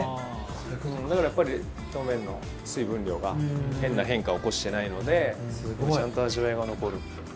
だからやっぱり表面の水分量が変な変化を起こしてないのでちゃんと味わいが残る。